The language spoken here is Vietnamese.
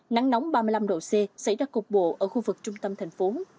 nắng nóng ba mươi năm độ c xảy ra cục bộ ở khu vực trung tâm thành phố